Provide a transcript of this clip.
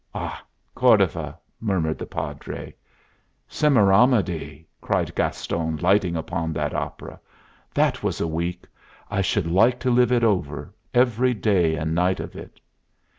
"Ah, Cordova!" murmured the Padre. "Semiramide!" cried Gaston, lighting upon that opera. "That was a week! I should like to live it over, every day and night of it!"